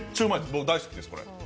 僕、大好きです、これ。